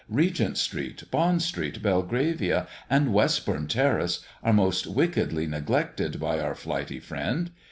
Regent street, Bond street, Belgravia, and Westbourne terrace are most wickedly neglected by our flighty friend.